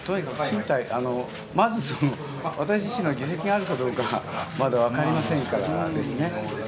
まず、私自身の議席があるかどうか分かりませんから。